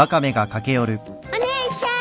お姉ちゃん。